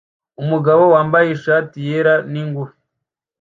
Umugabo wambaye ishati yera nigufi